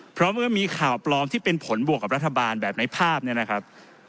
เพราะเมื่อมีข่าวปลอมที่เป็นผลบวกกับรัฐบาลแบบในภาพเนี่ยนะครับ